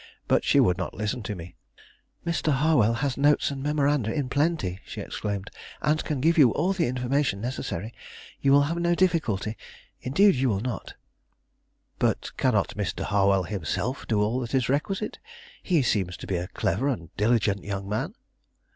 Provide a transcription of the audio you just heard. But she would not listen to me. "Mr. Harwell has notes and memoranda in plenty," she exclaimed, "and can give you all the information necessary. You will have no difficulty; indeed, you will not." "But cannot Mr. Harwell himself do all that is requisite? He seems to be a clever and diligent young man."